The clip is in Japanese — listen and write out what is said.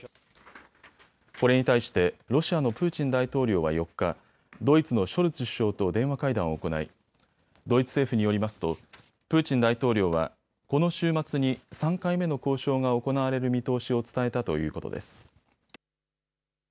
これに対してロシアのプーチン大統領は４日、ドイツのショルツ首相と電話会談を行いドイツ政府によりますとプーチン大統領はこの週末に３回目の交渉が行われる見通しを伝えたということです。